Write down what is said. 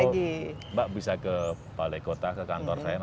kalau gitu mbak bisa ke balai kota ke kantor saya nanti